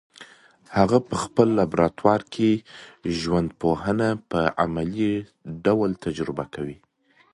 هغه په خپل لابراتوار کي ژوندپوهنه په عملي ډول تجربه کوي.